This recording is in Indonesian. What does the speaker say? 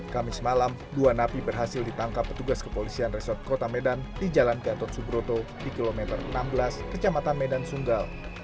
kamis malam dua napi berhasil ditangkap petugas kepolisian resort kota medan di jalan gatot subroto di kilometer enam belas kecamatan medan sunggal